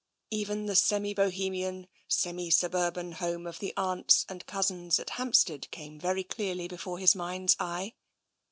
Even the semi Bohemian, semi suburban home of the aunt and cousins at Hampstead came very clearly be fore his mind's eye.